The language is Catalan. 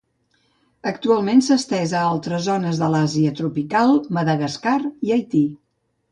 Actualment s'ha estès a altres zones de l'Àsia tropical, Madagascar i Haití.